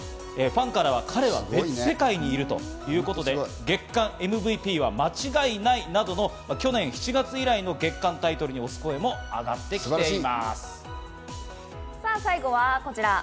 ファンからは彼は別世界にいるということで月間ＭＶＰは間違いないなどの、去年７月以来の月間タイトルに推す声もあがっ素晴らしい。